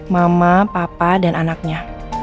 mama papa dan anaknya